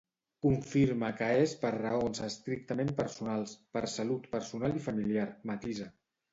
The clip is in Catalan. Confirma que és per raons estrictament personals, per salut personal i familiar, matisa.